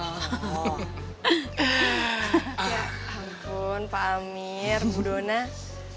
ya ampun pak amir ibu donat